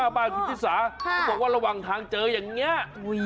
บ้านคุณชิสาเขาบอกว่าระหว่างทางเจออย่างนี้